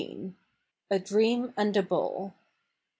A DREAM AND A BALL.